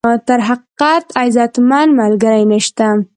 تر حقیقت، عزتمن ملګری نشته.